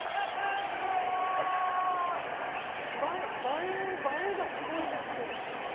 映え映えがすごいですもう。